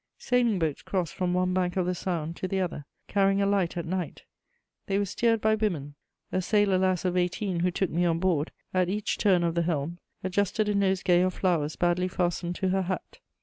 Sailing boats crossed from one bank of the Saône to the other, carrying a light at night; they were steered by women; a sailor lass of eighteen who took me on board, at each turn of the helm, adjusted a nosegay of flowers badly fastened to her hat.